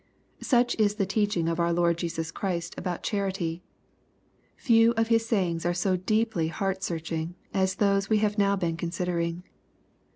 Such is the teaching of our Lord Jesus Christ about charity. Few of His sayings are so deeply heart search ing as those we have now been considering.